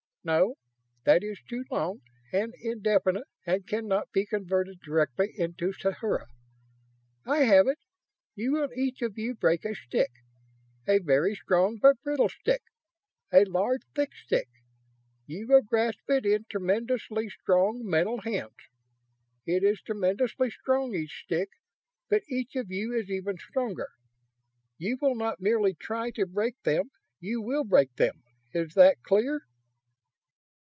No, that is too long and indefinite and cannot be converted directly into sathura.... I have it! You will each of you break a stick. A very strong but brittle stick. A large, thick stick. You will grasp it in tremendously strong mental hands. It is tremendously strong, each stick, but each of you is even stronger. You will not merely try to break them; you will break them. Is that clear?"